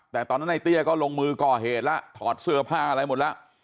แต่ตอนนั้นในเตี้ยก็ลงมือก่อเหตุแล้วถอดเสื้อผ้าอะไรหมดแล้ว